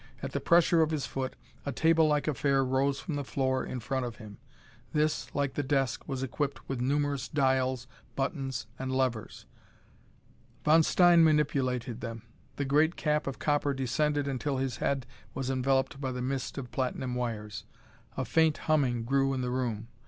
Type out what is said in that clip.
At the pressure of his foot a tablelike affair rose from the floor in front of him. This, like the desk, was equipped with numerous dials, buttons and levers. Von Stein manipulated them. The great cap of copper descended until his head was enveloped by the mist of platinum wires. A faint humming grew in the room.